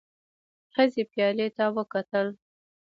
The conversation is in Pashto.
ښځې پيالې ته وکتل.